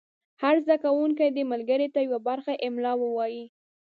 هر زده کوونکی دې ملګري ته یوه برخه املا ووایي.